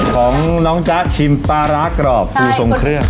ของน้องจ๊ะชิมปลาร้ากรอบฟูทรงเครื่อง